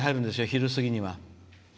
昼過ぎには。